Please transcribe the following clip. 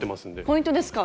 ポイントですか。